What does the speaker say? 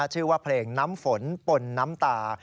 ชื่อว่าเพลงน้ำฝนปนน้ำตา